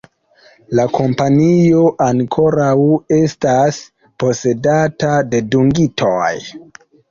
La kompanio ankoraŭ estas posedata de dungitoj.